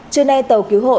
trưa nay tàu cứu hộ